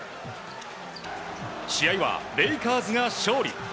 試合は、レイカーズが勝利。